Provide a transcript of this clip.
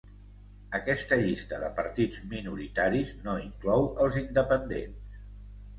Aquesta llista de partits minoritaris no inclou els independents.